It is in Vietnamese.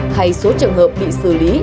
hay số trường hợp bị xử lý